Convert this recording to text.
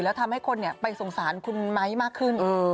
แล้วทำให้คนไปสงสารคุณไม้มากขึ้น